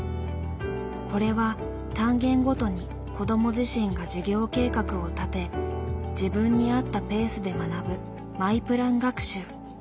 これは単元ごとに子ども自身が授業計画を立て自分に合ったペースで学ぶ「マイプラン学習」。